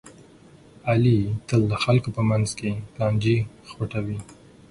علي تل د خلکو په منځ کې لانجې خوټوي.